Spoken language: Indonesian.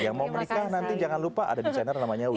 yang mau menikah nanti jangan lupa ada desainer namanya wi